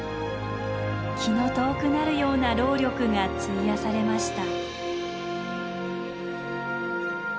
気の遠くなるような労力が費やされました。